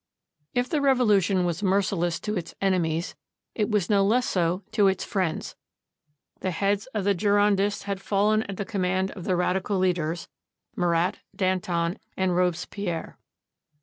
If the Revolution was merciless to its enemies, it was no less so to its friends. The heads of the Girondists had fallen at the command of the radical leaders, Marat, Danton, and Robespierre.